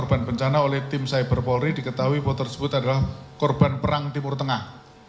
korban bencana oleh tim cyber polri diketahui bahwa tersebut adalah korban perang timur tengah